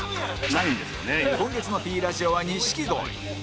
今月の Ｐ ラジオは錦鯉